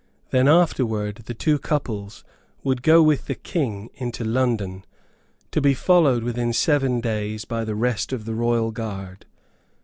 Then afterward the two couples would go with the king into London, to be followed within seven days by the rest of the Royal guard.